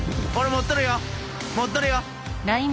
持っとるよ。